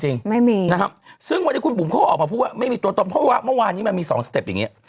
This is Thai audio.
เหรอครับซึ่งวันนี้คุณปุ๋มโค้ยออกมาพูดว่าไม่ตัวตนเพราะว่าเมื่อวานี้มันมีสองตัวเป็นอย่างนี้